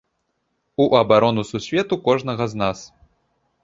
У абарону сусвету кожнага з нас.